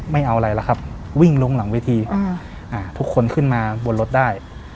ไม่เอาอะไรแล้วครับวิ่งลงหลังเวทีทุกคนขึ้นมาบนรถได้